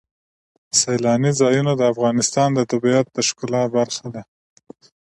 سیلاني ځایونه د افغانستان د طبیعت د ښکلا برخه ده.